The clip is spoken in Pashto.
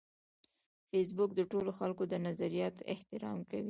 فېسبوک د ټولو خلکو د نظریاتو احترام کوي